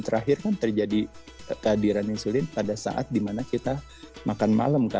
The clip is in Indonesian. terakhir kan terjadi kehadiran insulin pada saat dimana kita makan malam